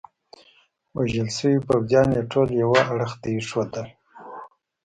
وژل شوي پوځیان يې ټول یوه اړخ ته ایښودل.